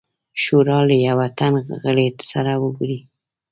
شورا له یوه تن غړي سره وګوري.